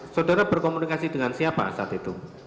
saudara berkomunikasi dengan siapa saat itu